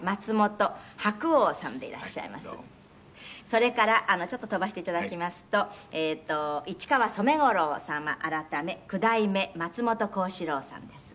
「それからちょっと飛ばしていただきますと市川染五郎様改め九代目松本幸四郎さんです」